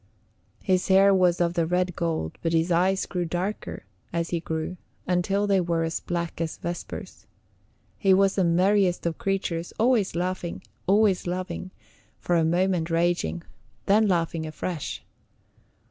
His hair was of the red gold, but his eyes grew darker as he grew, until they were as black as Vesper's. He was the merriest of creatures, always laughing, always loving, for a moment raging, then laughing afresh.